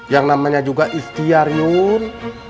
yang namanya juga istiar yon